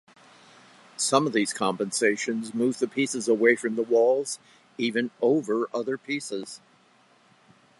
Some of these compensations move the pieces away from walls even "over" other pieces.